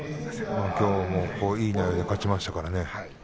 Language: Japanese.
きょうもいい内容で勝ちましたからね。